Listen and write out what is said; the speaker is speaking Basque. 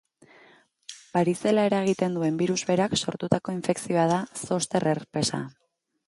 Barizela eragiten duen birus berak sortutako infekzioa da zoster herpesa.